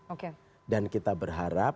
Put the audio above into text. oke dan kita berharap